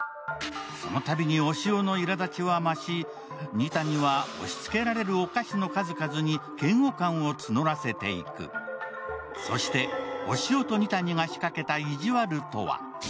そのたびに押尾のいらだちは増し、二谷は押しつけられるお菓子の数々に嫌悪感を募らせていく、そして押尾と二谷が仕掛けた意地悪とは。